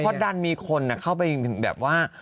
เพราะดันมีคนเข้าไปแบบว่า